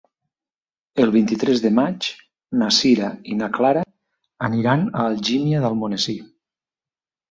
El vint-i-tres de maig na Sira i na Clara aniran a Algímia d'Almonesir.